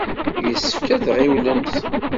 Yessefk ad tɣiwlem.